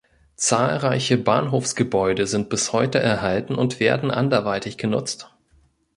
Zahlreiche Bahnhofsgebäude sind bis heute erhalten und werden anderweitig genutzt.